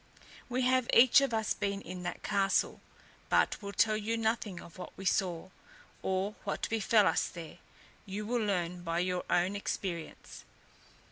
We have each of us been in that castle; but will tell you nothing of what we saw, or what befell us there; you will learn by your own experience.